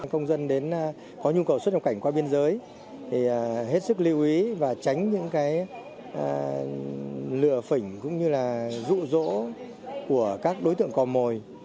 công dân có nhu cầu xuất nhập cảnh qua biên giới thì hết sức lưu ý và tránh những lừa phỉnh cũng như là rụ rỗ của các đối tượng cò mồi